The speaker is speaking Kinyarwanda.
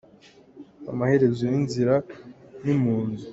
Amaherezo y'inzira ni munzu.